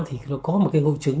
thì nó có một cái hội chứng